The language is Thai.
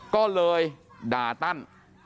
ก็เลยด่าตั้น